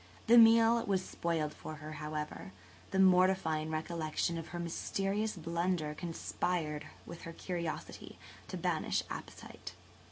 The meal was spoiled for her, however; the mortifying recollection of her mysterious blunder conspired with her curiosity to banish appetite.